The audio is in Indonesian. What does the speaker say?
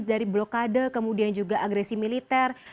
dari blokade kemudian juga agresi militer